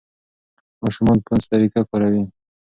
ماشومان فونس طریقه کاروي.